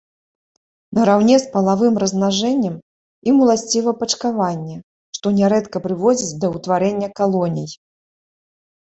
Нараўне з палавым размнажэннем ім уласціва пачкаванне, што нярэдка прыводзіць да ўтварэння калоній.